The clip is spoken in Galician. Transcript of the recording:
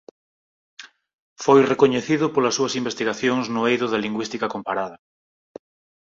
Foi recoñecido polas súas investigacións no eido da lingüística comparada.